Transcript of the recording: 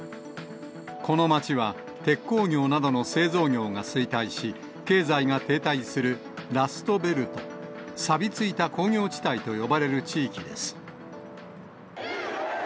この町は、鉄鋼業などの製造業が衰退し、経済が停滞するラストベルト・さびついた工業地帯と呼ばれる地域です。